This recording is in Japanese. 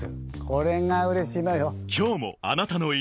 これがうれしいのよ。